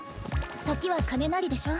「時は金なり」でしょ？